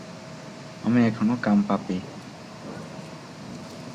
আমি এখনো কামপাপী।